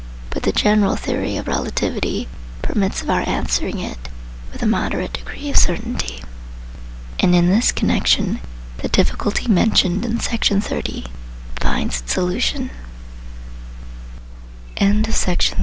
But the general theory of relativity permits of our answering it with a moduate degree of certainty, and in this connection the difficulty mentioned in Section 30 finds its solution.